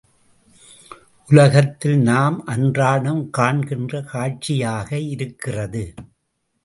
உலகத்தில் நாம் அன்றாடம் காண்கின்ற காட்சியாக இருக்கிறது.